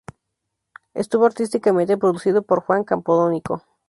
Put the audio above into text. Estuvo artísticamente producido por Juan Campodónico.